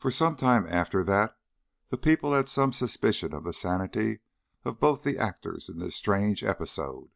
For some time after that people had some suspicion of the sanity of both the actors in this strange episode.